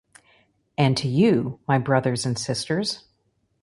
and to you, my brothers and sisters